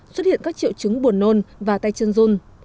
xuất hiện các triệu chứng buồn nôn và tay chân run